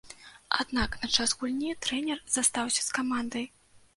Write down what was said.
Аднак на час гульні трэнер застаўся з камандай.